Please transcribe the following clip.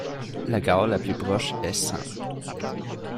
La gare la plus proche est Sens.